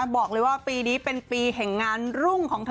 บอกเลยว่าปีนี้เป็นปีแห่งงานรุ่งของเธอ